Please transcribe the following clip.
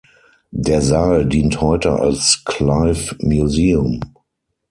Der Saal dient heute als "Clive Museum".